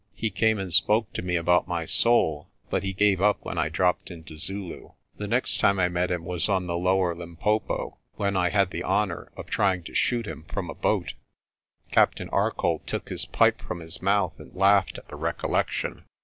He came and spoke to me about my soul, but he gave up when I dropped into Zulu. The next time I met him was on the lower Limpopo, when I had the honour of trying to shoot him from a boat." Captain Arcoll took his pipe from his mouth and laughed at the recollection.